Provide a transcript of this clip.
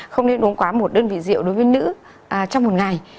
không nên uống quá một đơn vị rượu đối với nữ trong một ngày